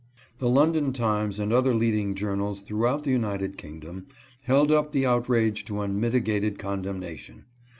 The London Times and other leading journals throughout the United Kingdom held up the out rage to unmitigated condemnation.